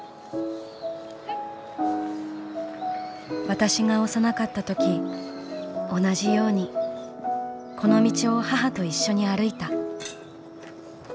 「私が幼かった時同じようにこの道を母と一緒に歩いた。